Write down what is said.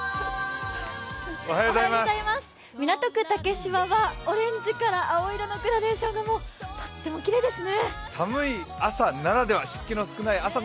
港区竹芝はオレンジから青色のグラデーションがとってもきれいですね。